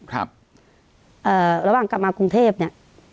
ระหว่างกลับมากรุงเทพเนี่ย